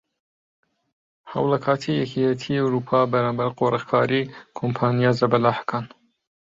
هەوڵەکاتی یەکیەتی ئەوروپا بەرامبەر قۆرغکاری کۆمپانیا زەبەلاحەکان